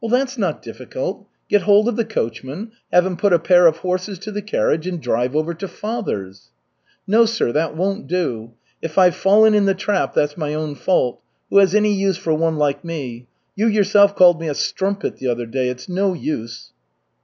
"Well, that's not difficult. Get hold of the coachman, have him put a pair of horses to the carriage, and drive over to father's." "No, sir, that won't do. If I've fallen in the trap, that's my own fault. Who has any use for one like me? You yourself called me a strumpet the other day. It's no use!"